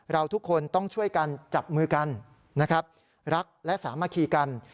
เราทุกคนต้องช่วยกันจับมือกันนะครับรักและสามัคคีกัน